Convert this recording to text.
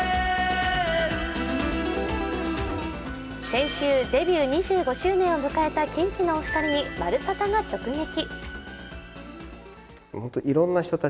先週、デビュー２５周年を迎えたキンキのお二人に「まるサタ」が直撃。